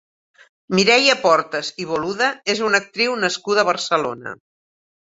Mireia Portas i Boluda és una actriu nascuda a Barcelona.